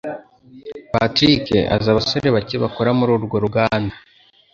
Patrick azi abasore bake bakora mururwo ruganda.